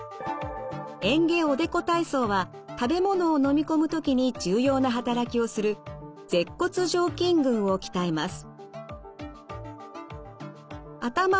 嚥下おでこ体操は食べ物をのみ込む時に重要な働きをする舌骨上筋群を鍛えます。